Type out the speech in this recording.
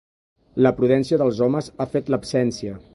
La prudència dels homes ha fet l'absència.